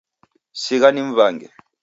Sigha nimw'age